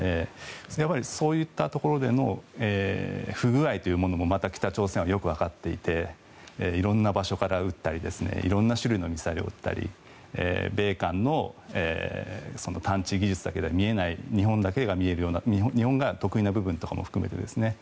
そういったところでの不具合というものもまた北朝鮮はよくわかっていて色んな場所から撃ったり色んな種類のミサイルを撃ったり米韓の探知技術だけでは見えない日本だけが見えるような日本が得意な部分とかも含めてですね